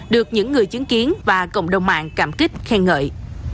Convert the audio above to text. được những người chứng kiến và cộng đồng mạng cảm kích khen ngợi